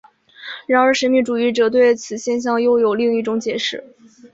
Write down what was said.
然而神秘主义者对此现象又有另一种解释。